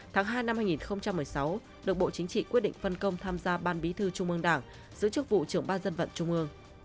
tháng hai năm hai nghìn một mươi sáu được bộ chính trị quyết định phân công tham gia ban bí thư trung ương đảng giữ chức vụ trưởng ban dân vận trung ương